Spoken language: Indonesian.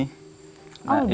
oh di gua ini